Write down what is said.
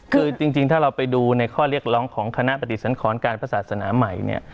คือจริงถ้าเราไปดูในข้อเรียกร้องของคณะปฏิสังขรการพระศาสนาใหม่เนี่ย